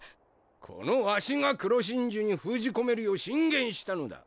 このワシが黒真珠に封じ込めるよう進言したのだ！